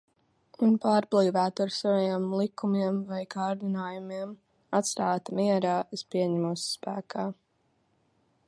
Un pārblīvētu ar saviem likumiem vai kārdinājumiem. Atstāta mierā, es pieņemos spēkā.